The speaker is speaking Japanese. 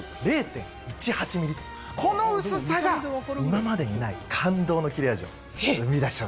この薄さが今までにない感動の切れ味を生み出しちゃうんです。